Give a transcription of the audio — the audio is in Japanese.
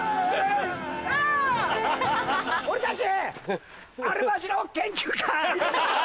俺たちアルマジロ研究会。